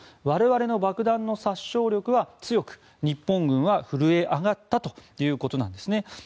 我々の爆弾の殺傷力は強く日本軍は震え上がったということなんですね。